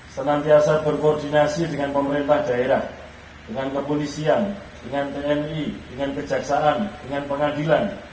senantiasa berkoordinasi dengan pemerintah daerah dengan kepolisian dengan tni dengan kejaksaan dengan pengadilan